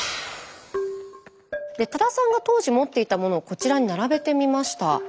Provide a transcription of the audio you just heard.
多田さんが当時持っていたものをこちらに並べてみました。